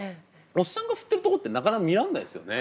おっさんが振ってるとこってなかなか見られないですよね。